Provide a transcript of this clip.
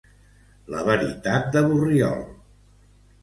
La veritat de Borriol.